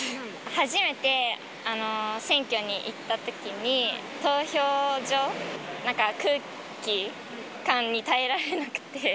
初めて選挙に行ったときに、投票所、なんか空気感に耐えられなくて。